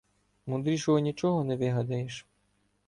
Мудрішого нічого не вигадаєш.